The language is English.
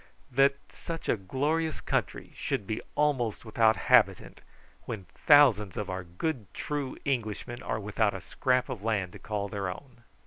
"That such a glorious country should be almost without inhabitant, when thousands of our good true Englishmen are without a scrap of land to call their own."